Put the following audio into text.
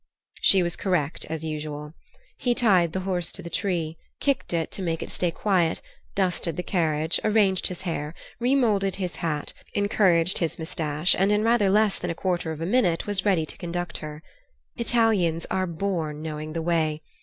She was correct as usual. He tied the horse to a tree, kicked it to make it stay quiet, dusted the carriage, arranged his hair, remoulded his hat, encouraged his moustache, and in rather less than a quarter of a minute was ready to conduct her. Italians are born knowing the way.